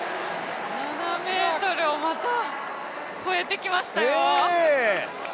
７ｍをまた越えてきましたよ。